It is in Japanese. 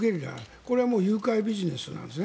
これは誘拐ビジネスなんですね。